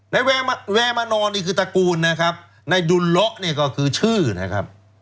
แวร์มานอนนี่คือตระกูลนะครับในดุลเลาะเนี่ยก็คือชื่อนะครับ